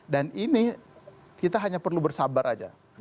dan ini kita hanya perlu bersabar saja